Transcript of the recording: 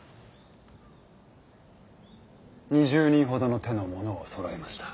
２０人ほどの手の者をそろえました。